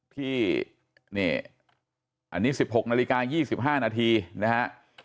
ที่นี่อันนี้๑๖นาฬิกา๒๕นาทีนะฮะ